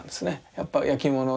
やっぱ焼き物って。